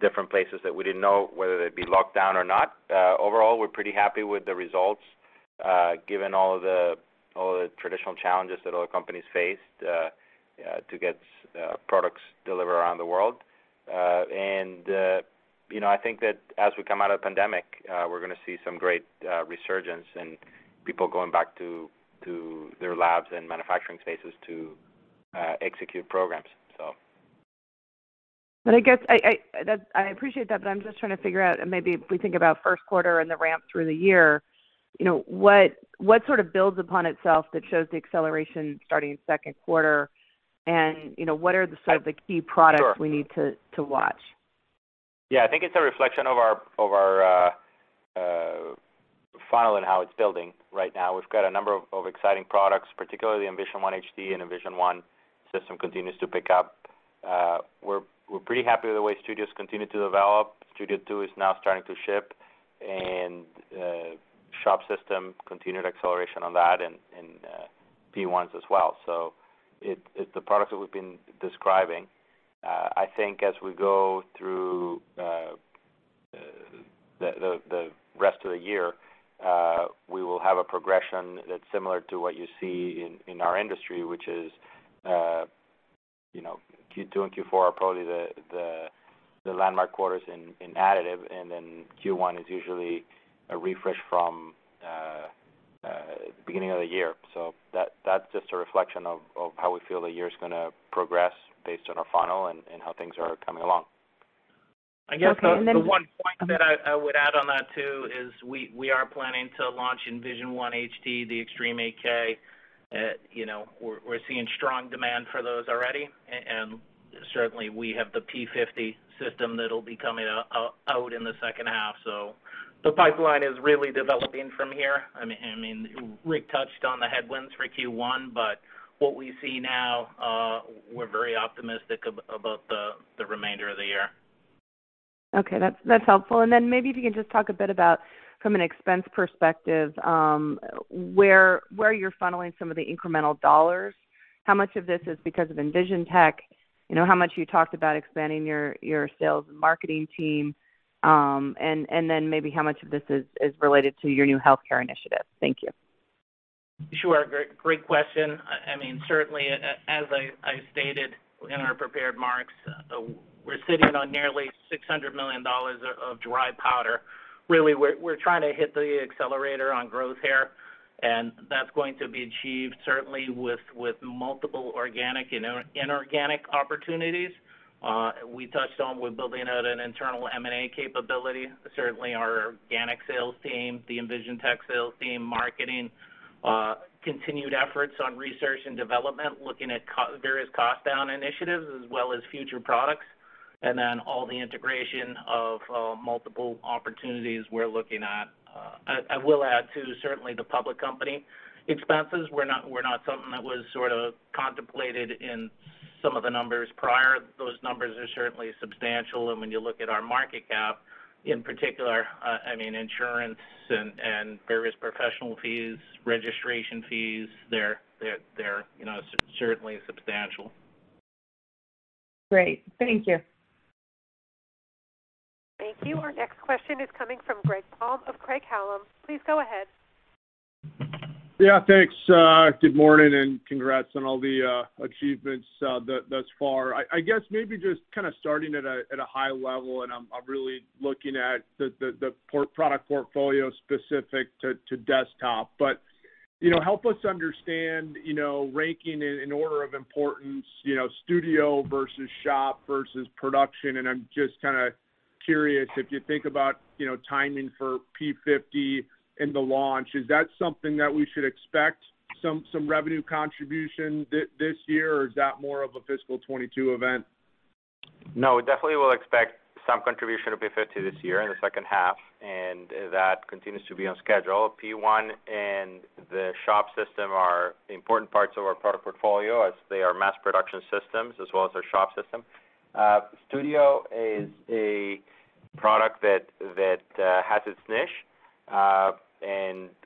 different places that we didn't know whether they'd be locked down or not. Overall, we're pretty happy with the results given all the traditional challenges that other companies faced to get products delivered around the world. I think that as we come out of the pandemic, we're going to see some great resurgence and people going back to their labs and manufacturing spaces to execute programs. I appreciate that, but I'm just trying to figure out, and maybe if we think about first quarter and the ramp through the year, what sort of builds upon itself that shows the acceleration starting in second quarter, and what are the sort of the key products we need to watch? Yeah. I think it's a reflection of our funnel and how it's building right now. We've got a number of exciting products, particularly Envision One HD and Envision One System continues to pick up. We're pretty happy with the way Studios continue to develop. Studio 2 is now starting to ship, and Shop System, continued acceleration on that and P-1s as well. It's the products that we've been describing. I think as we go through the rest of the year, we will have a progression that's similar to what you see in our industry, which is Q2 and Q4 are probably the landmark quarters in additive, and then Q1 is usually a refresh from beginning of the year. That's just a reflection of how we feel the year is going to progress based on our funnel and how things are coming along. I guess the one point that I would add on that too is we are planning to launch Envision One HD, the Xtreme 8K. We're seeing strong demand for those already, and certainly we have the P-50 system that'll be coming out in the second half. The pipeline is really developing from here. Ric touched on the headwinds for Q1, but what we see now, we're very optimistic about the remainder of the year. Okay. That's helpful. Then maybe if you can just talk a bit about from an expense perspective, where you're funneling some of the incremental dollars. How much of this is because of EnvisionTEC? How much you talked about expanding your sales and marketing team, and then maybe how much of this is related to your new healthcare initiative. Thank you. Sure. Great question. Certainly, as I stated in our prepared remarks, we're sitting on nearly $600 million of dry powder. Really, we're trying to hit the accelerator on growth here, and that's going to be achieved certainly with multiple organic and inorganic opportunities. We touched on we're building out an internal M&A capability. Certainly our organic sales team, the EnvisionTEC sales team, marketing, continued efforts on research and development, looking at various cost-down initiatives as well as future products, and then all the integration of multiple opportunities we're looking at. I will add, too, certainly the public company expenses were not something that was sort of contemplated in some of the numbers prior. Those numbers are certainly substantial, and when you look at our market cap, in particular, insurance and various professional fees, registration fees, they're certainly substantial. Great. Thank you. Thank you. Our next question is coming from Greg Palm of Craig-Hallum. Please go ahead. Yeah. Thanks. Good morning, congrats on all the achievements thus far. I guess maybe just kind of starting at a high level, I'm really looking at the product portfolio specific to Desktop Metal. Help us understand ranking in order of importance, Studio versus Shop versus Production. I'm just kind of curious if you think about timing for P-50 and the launch, is that something that we should expect some revenue contribution this year, or is that more of a FY 2022 event? We definitely will expect some contribution of P-50 this year in the second half, and that continues to be on schedule. P-1 and the Shop System are important parts of our product portfolio as they are mass production systems as well as our Shop System. Studio is a product that has its niche.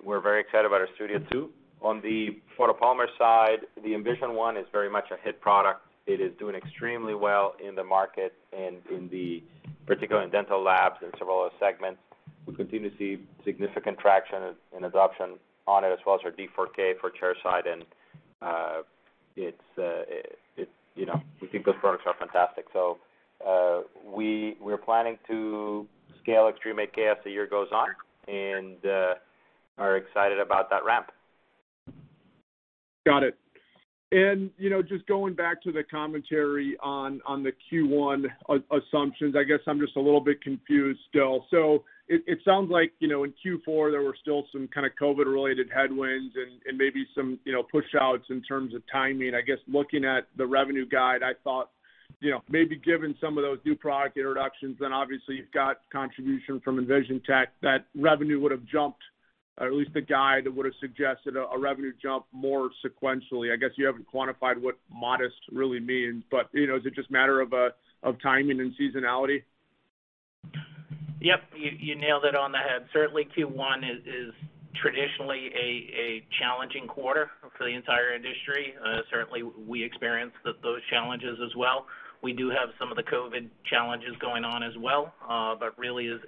We're very excited about our Studio 2. On the photopolymer side, the Envision One is very much a hit product. It is doing extremely well in the market and in the particular in dental labs and several other segments. We continue to see significant traction and adoption on it, as well as our D4K for chairside, and we think those products are fantastic. We're planning to scale Xtreme 8K as the year goes on and are excited about that ramp. Got it. Just going back to the commentary on the Q1 assumptions, I guess I'm just a little bit confused still. It sounds like in Q4, there were still some kind of COVID-related headwinds and maybe some push outs in terms of timing. I guess looking at the revenue guide, I thought maybe given some of those new product introductions, then obviously you've got contribution from EnvisionTEC, that revenue would have jumped, or at least the guide would have suggested a revenue jump more sequentially. I guess you haven't quantified what modest really means. Is it just a matter of timing and seasonality? Yep. You nailed it on the head. Certainly Q1 is traditionally a challenging quarter for the entire industry. Certainly we experience those challenges as well. We do have some of the COVID challenges going on as well. Really as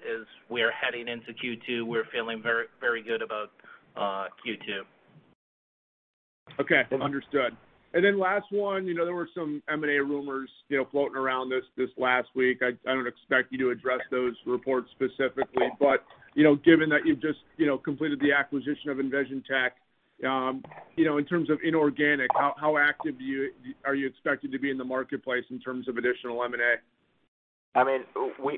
we are heading into Q2, we're feeling very good about Q2. Okay. Understood. Last one, there were some M&A rumors floating around this last week. I don't expect you to address those reports specifically, but given that you've just completed the acquisition of EnvisionTEC, in terms of inorganic, how active are you expected to be in the marketplace in terms of additional M&A?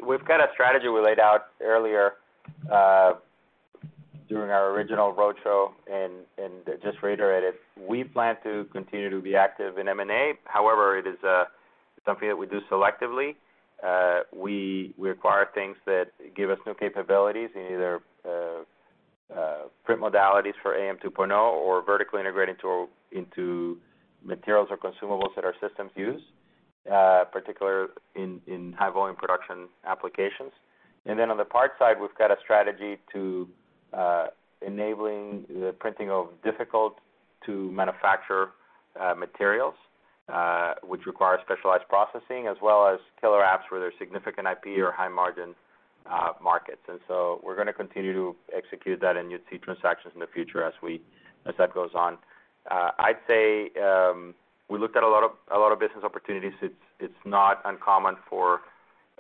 We've got a strategy we laid out earlier during our original roadshow and just reiterated. We plan to continue to be active in M&A. It's something that we do selectively. We acquire things that give us new capabilities in either print modalities for AM 2.0 or vertically integrate into materials or consumables that our systems use, particularly in high-volume production applications. Then on the parts side, we've got a strategy to enabling the printing of difficult-to-manufacture materials, which require specialized processing, as well as killer apps where there's significant IP or high-margin markets. So we're going to continue to execute that, and you'd see transactions in the future as that goes on. I'd say we looked at a lot of business opportunities. It's not uncommon for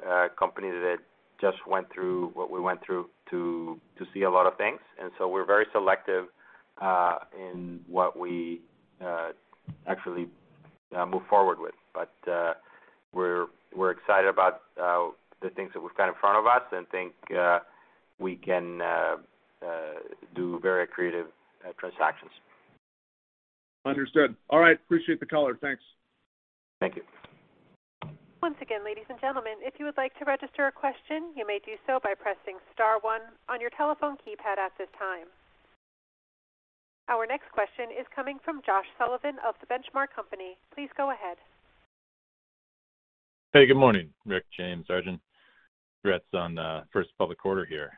a company that just went through what we went through to see a lot of things. We're very selective in what we actually move forward with. We're excited about the things that we've got in front of us and think we can do very creative transactions. Understood. All right. Appreciate the call. Thanks. Thank you. Once again, ladies and gentlemen, if you would like to register a question, you may do so by pressing star one on your telephone keypad at this time. Our next question is coming from Josh Sullivan of The Benchmark Company. Please go ahead. Hey, good morning, Ric, James, Arjun. Congrats on the first public quarter here.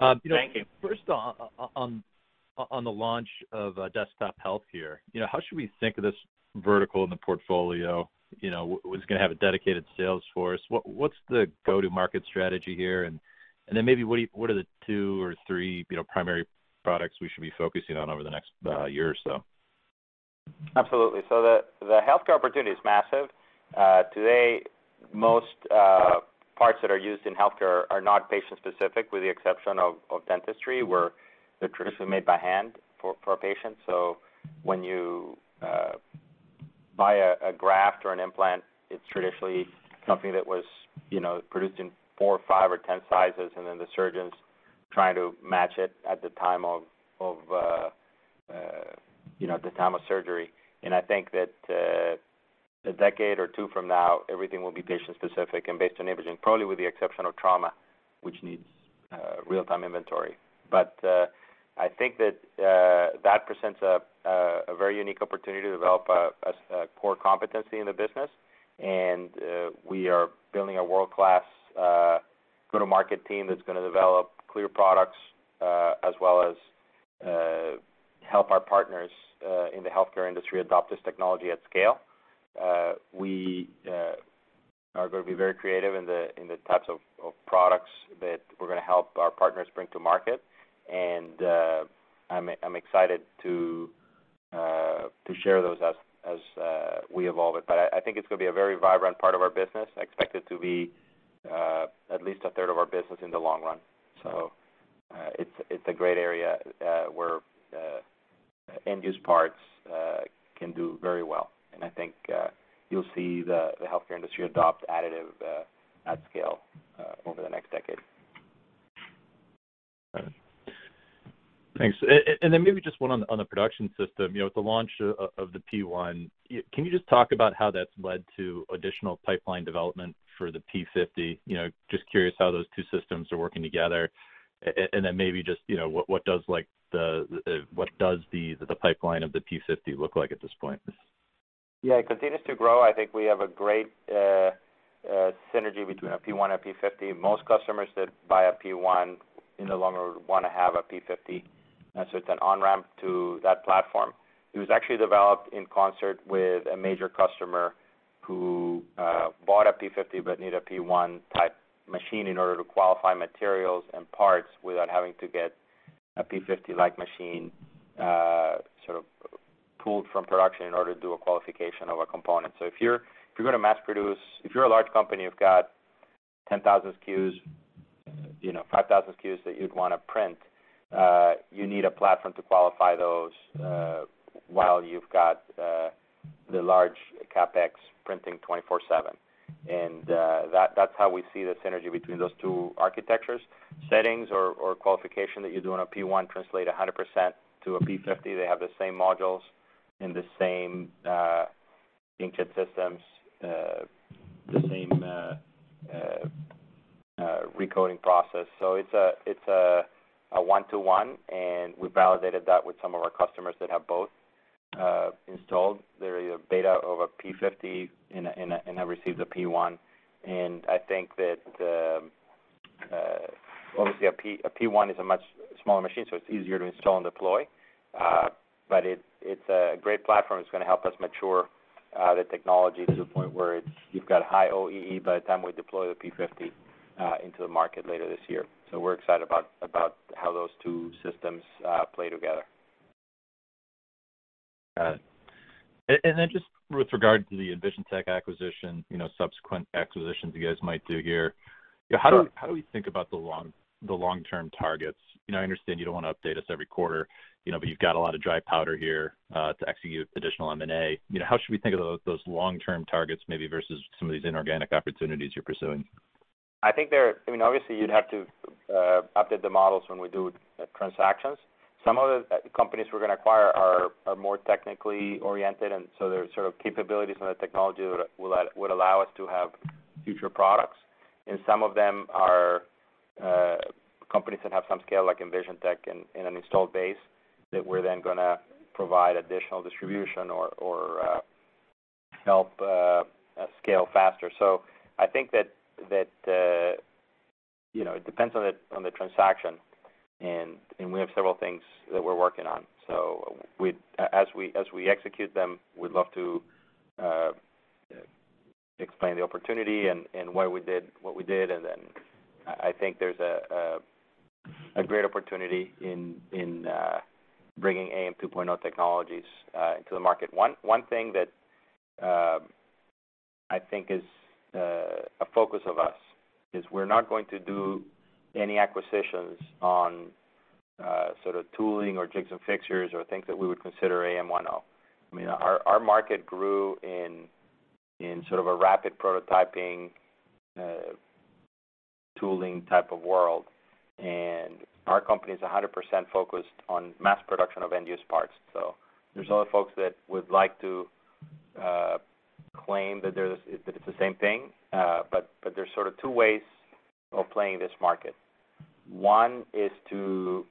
Thank you. On the launch of Desktop Health here. How should we think of this vertical in the portfolio? Is it going to have a dedicated sales force? What's the go-to-market strategy here? Maybe what are the two or three primary products we should be focusing on over the next year or so? Absolutely. The healthcare opportunity is massive. Today, most parts that are used in healthcare are not patient-specific, with the exception of dentistry, where they're traditionally made by hand for a patient. When you buy a graft or an implant, it's traditionally something that was produced in four or five or 10 sizes, and then the surgeon's trying to match it at the time of surgery. I think that a decade or two from now, everything will be patient-specific and based on imaging, probably with the exception of trauma, which needs real-time inventory. I think that presents a very unique opportunity to develop a core competency in the business. We are building a world-class go-to-market team that's going to develop clear products, as well as help our partners in the healthcare industry adopt this technology at scale. We are going to be very creative in the types of products that we're going to help our partners bring to market. I'm excited to share those as we evolve it. I think it's going to be a very vibrant part of our business. I expect it to be at least a third of our business in the long run. It's a great area where end-use parts can do very well. I think you'll see the healthcare industry adopt additive at scale over the next decade. Got it. Thanks. Maybe just one on the Production System. With the launch of the P-1, can you just talk about how that's led to additional pipeline development for the P-50? Just curious how those two systems are working together. Maybe just what does the pipeline of the P-50 look like at this point? Yeah, it continues to grow. I think we have a great synergy between a P-1 and P-50. Most customers that buy a P-1 in the long run want to have a P-50. It's an on-ramp to that platform. It was actually developed in concert with a major customer who bought a P-50 but needed a P-1 type machine in order to qualify materials and parts without having to get a P-50-like machine sort of pulled from production in order to do a qualification of a component. If you're going to mass produce, if you're a large company, you've got 10,000 SKUs, 5,000 SKUs that you'd want to print, you need a platform to qualify those while you've got the large CapEx printing 24/7. That's how we see the synergy between those two architectures. Settings or qualification that you do on a P-1 translate 100% to a P-50. They have the same modules and the same inkjet systems, the same recoating process. It's a one-to-one, and we validated that with some of our customers that have both installed. There is a beta of a P-50 and that receives a P-1. I think that, obviously, a P-1 is a much smaller machine, so it's easier to install and deploy. It's a great platform that's going to help us mature the technology to the point where you've got high OEE by the time we deploy the P-50 into the market later this year. We're excited about how those two systems play together. Got it. Then just with regard to the EnvisionTEC acquisition, subsequent acquisitions you guys might do here, how do we think about the long-term targets? I understand you don't want to update us every quarter, you've got a lot of dry powder here to execute additional M&A. How should we think of those long-term targets maybe versus some of these inorganic opportunities you're pursuing? I think, obviously, you'd have to update the models when we do transactions. Some of the companies we're going to acquire are more technically oriented, and so there's capabilities in the technology that would allow us to have future products. Some of them are companies that have some scale, like EnvisionTEC, and an installed base that we're then going to provide additional distribution or help scale faster. I think that it depends on the transaction, and we have several things that we're working on. As we execute them, we'd love to explain the opportunity and why we did what we did. I think there's a great opportunity in bringing AM 2.0 technologies to the market. One thing that I think is a focus of us is we're not going to do any acquisitions on tooling or jigs and fixtures or things that we would consider AM 1.0. Our market grew in a rapid prototyping, tooling type of world, and our company is 100% focused on mass production of end-use parts. There's other folks that would like to claim that it's the same thing, but there's two ways of playing this market. One is to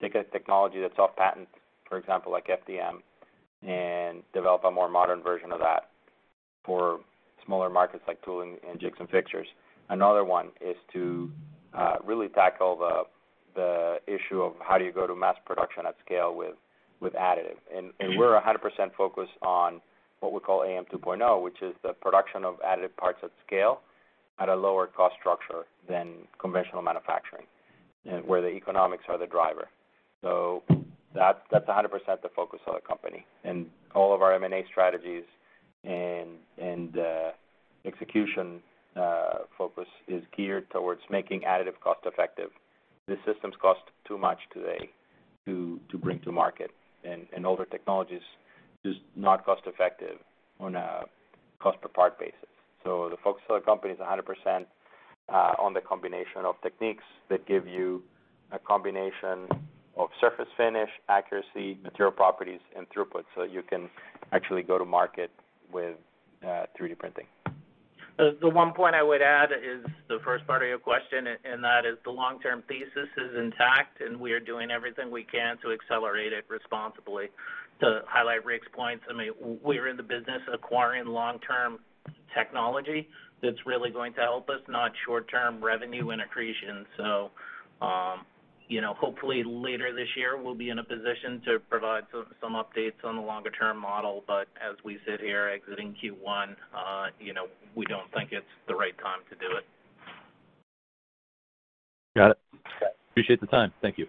take a technology that's off patent, for example, like FDM, and develop a more modern version of that for smaller markets like tooling and jigs and fixtures. Another one is to really tackle the issue of how do you go to mass production at scale with additive. We're 100% focused on what we call AM 2.0, which is the production of additive parts at scale at a lower cost structure than conventional manufacturing, where the economics are the driver. That's 100% the focus of the company, and all of our M&A strategies and execution focus is geared towards making additive cost-effective. The systems cost too much today to bring to market, and older technology is just not cost-effective on a cost-per-part basis. The focus of the company is 100% on the combination of techniques that give you a combination of surface finish, accuracy, material properties, and throughput, so that you can actually go to market with 3D printing. The one point I would add is the first part of your question, and that is the long-term thesis is intact, and we are doing everything we can to accelerate it responsibly. To highlight Ric's points, we are in the business of acquiring long-term technology that's really going to help us, not short-term revenue and accretion. Hopefully later this year, we'll be in a position to provide some updates on the longer-term model. As we sit here exiting Q1, we don't think it's the right time to do it. Got it. Okay. Appreciate the time. Thank you.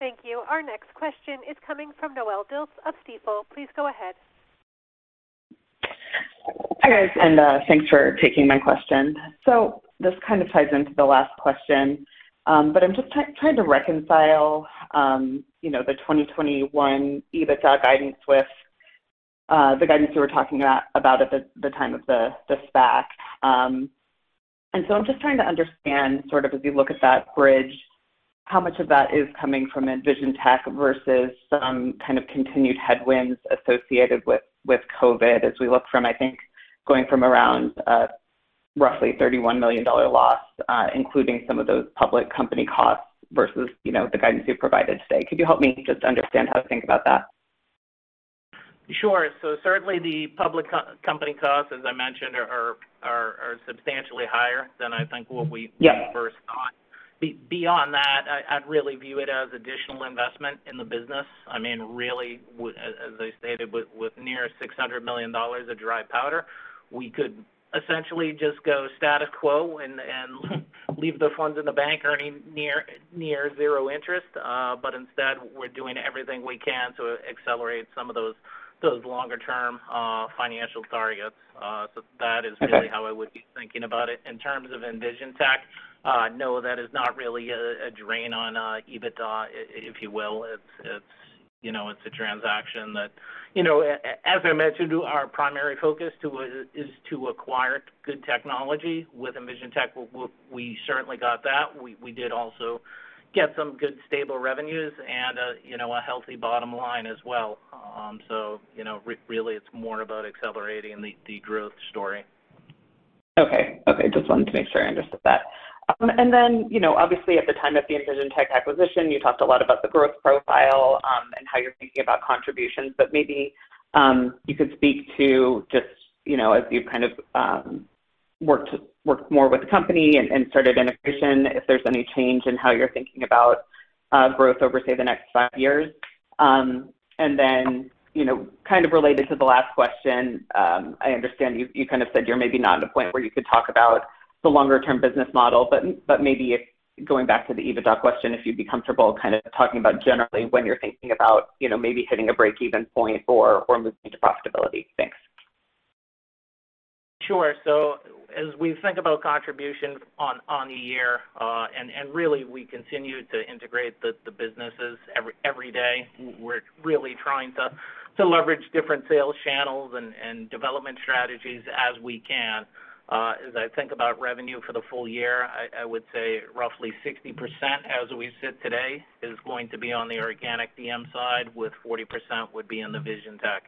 Thank you. Our next question is coming from Noelle Dilts of Stifel. Please go ahead. Hi, guys, thanks for taking my question. This kind of ties into the last question. I'm just trying to reconcile the 2021 EBITDA guidance with the guidance you were talking about at the time of the SPAC. I'm just trying to understand, as you look at that bridge, how much of that is coming from EnvisionTEC versus some kind of continued headwinds associated with COVID as we look from, I think, going from around a roughly $31 million loss, including some of those public company costs, versus the guidance you've provided today. Could you help me just understand how to think about that? Sure. Certainly the public company costs, as I mentioned, are substantially higher than I think. Yes. First thought. Beyond that, I'd really view it as additional investment in the business. Really, as I stated, with near $600 million of dry powder, we could essentially just go status quo and leave the funds in the bank earning near zero interest. Instead, we're doing everything we can to accelerate some of those longer-term financial targets. That is really how I would be thinking about it. In terms of EnvisionTEC, no, that is not really a drain on EBITDA, if you will. It's a transaction that, as I mentioned, our primary focus is to acquire good technology. With EnvisionTEC, we certainly got that. We did also get some good, stable revenues and a healthy bottom line as well. Really, it's more about accelerating the growth story. Okay. Just wanted to make sure I understood that. Obviously, at the time of the EnvisionTEC acquisition, you talked a lot about the growth profile and how you're thinking about contributions, but maybe you could speak to just as you've worked more with the company and started integration, if there's any change in how you're thinking about growth over, say, the next five years. Kind of related to the last question, I understand you kind of said you're maybe not at a point where you could talk about the longer-term business model, but maybe if, going back to the EBITDA question, if you'd be comfortable kind of talking about generally when you're thinking about maybe hitting a break-even point or moving to profitability. Thanks. Sure. As we think about contributions on the year, and really we continue to integrate the businesses every day. We're really trying to leverage different sales channels and development strategies as we can. As I think about revenue for the full year, I would say roughly 60%, as we sit today, is going to be on the organic DM side, with 40% would be in the EnvisionTEC.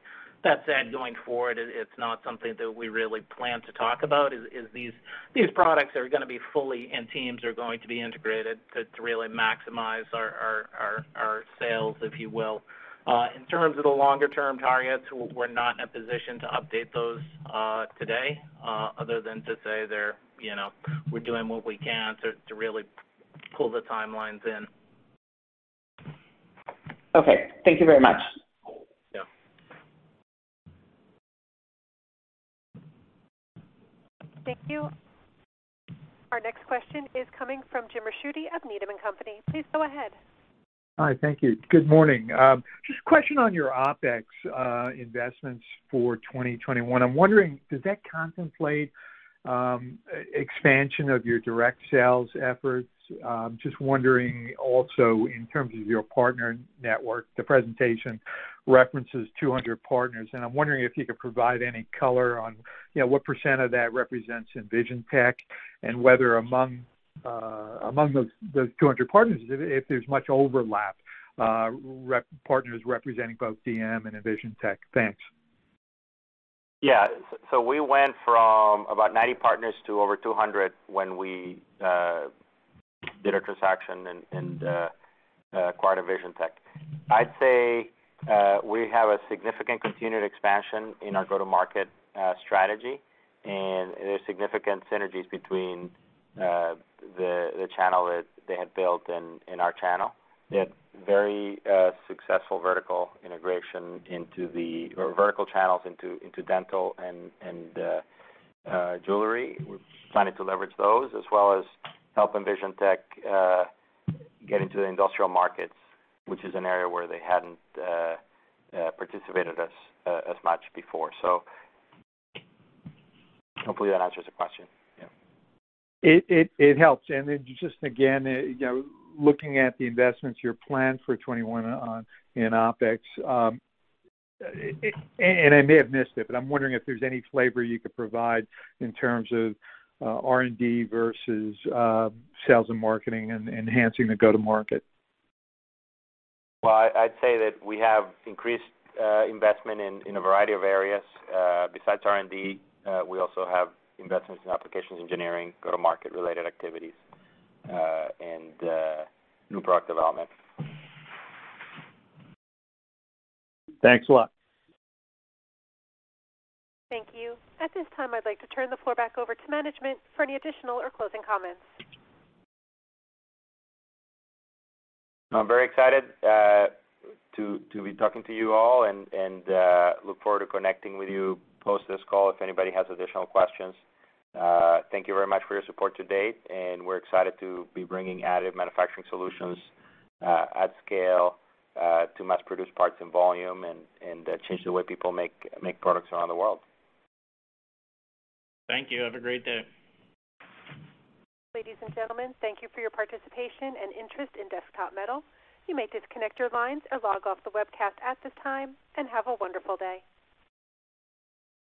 That said, going forward, it's not something that we really plan to talk about, is these products are going to be fully, and teams are going to be integrated to really maximize our sales, if you will. In terms of the longer-term targets, we're not in a position to update those today, other than to say we're doing what we can to really pull the timelines in. Okay. Thank you very much. Yeah. Thank you. Our next question is coming from James Ricchiuti of Needham & Company. Please go ahead. Hi. Thank you. Good morning. Just a question on your OpEx investments for 2021. I'm wondering, does that contemplate expansion of your direct sales efforts? Just wondering also in terms of your partner network, the presentation references 200 partners, and I'm wondering if you could provide any color on what percent of that represents EnvisionTEC, and whether among those 200 partners, if there's much overlap, partners representing both DM and EnvisionTEC. Thanks. Yeah. We went from about 90 partners to over 200 when we did our transaction and acquired EnvisionTEC. I'd say we have a significant continued expansion in our go-to-market strategy, and there's significant synergies between the channel that they had built and our channel. They had very successful vertical integration into the, or vertical channels into dental and jewelry. We're planning to leverage those as well as help EnvisionTEC get into the industrial markets, which is an area where they hadn't participated as much before. Hopefully that answers the question. Yeah. It helps. Just again, looking at the investments you have planned for 2021 in OpEx, and I may have missed it, but I'm wondering if there's any flavor you could provide in terms of R&D versus sales and marketing and enhancing the go-to market. Well, I'd say that we have increased investment in a variety of areas. Besides R&D, we also have investments in applications engineering, go-to-market related activities, and new product development. Thanks a lot. Thank you. At this time, I'd like to turn the floor back over to management for any additional or closing comments. I'm very excited to be talking to you all and look forward to connecting with you post this call if anybody has additional questions. Thank you very much for your support to date, and we're excited to be bringing additive manufacturing solutions at scale to mass-produce parts and volume and change the way people make products around the world. Thank you. Have a great day. Ladies and gentlemen, thank you for your participation and interest in Desktop Metal. You may disconnect your lines or log off the webcast at this time, and have a wonderful day.